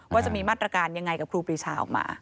ว่าจะมีมาตรการยังไงกับครูปรีชาออกมา